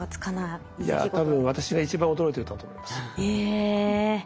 いや多分私が一番驚いてたと思います。